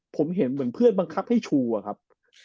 ผมเห็นเหมือนเพื่อนบังคับให้ชูอะครับ